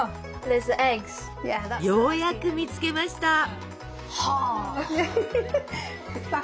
ようやく見つけました！